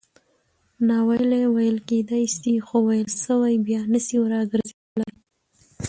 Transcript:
ناویلي ویل کېدای سي؛ خو ویل سوي بیا نه سي راګرځېدلای.